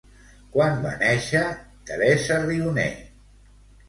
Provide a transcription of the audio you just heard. Quan va néixer Teresa Rioné?